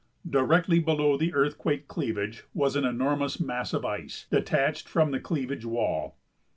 Directly below the earthquake cleavage was an enormous mass of ice, detached from the cleavage wall.